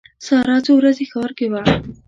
ساره څو ورځې ښار کې وه.